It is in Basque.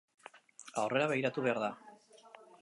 Aurrera begiratu behar da